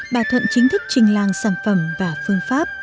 bà thuận chính thức trình làng sản phẩm và phương pháp